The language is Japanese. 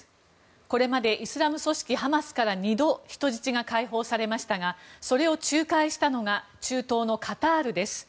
これまでイスラム組織ハマスから２度、人質が解放されましたがそれを仲介したのが中東のカタールです。